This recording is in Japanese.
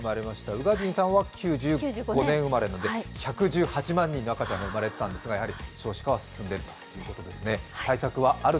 宇賀神さんは９５年生まれなので１１８万人の赤ちゃんが産まれていたんですが、少子化が進んでいる。